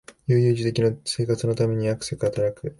悠々自適の生活のためにあくせく働く